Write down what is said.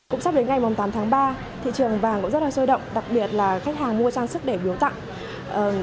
cũng sắp đến ngày tám tháng ba thị trường vàng cũng rất là sôi động đặc biệt là khách hàng mua trang sức để biếu tặng